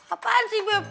apaan sih bebek